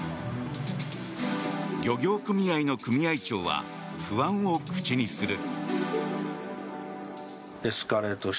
漁業組合の組合長は不安を口にする。